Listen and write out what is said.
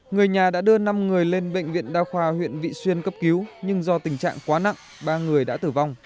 người nhà đã đưa năm người lên bệnh viện đa khoa huyện vị xuyên cấp cứu nhưng do tình trạng quá nặng ba người đã tử vong